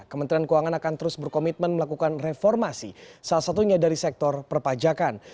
kementerian keuangan akan terus berkomitmen melakukan reformasi salah satunya dari sektor perpajakan